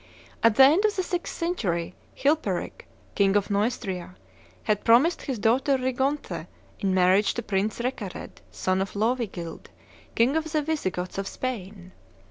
At the end of the sixth century, Chilperic, king of Neustria, had promised his daughter Rigonthe in marriage to Prince Recared, son of Leuvigild, king of the Visigoths of Spain.